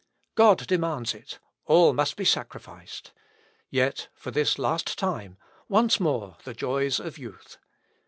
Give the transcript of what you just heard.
God demands it; all must be sacrificed. Yet, for this last time, once more the joys of youth.